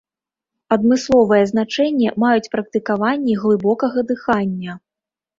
Адмысловае значэнне маюць практыкаванні глыбокага дыхання.